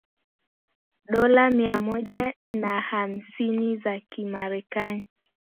dola mia moja na hamsini za kimarekani